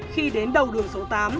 khi đến đầu đường số tám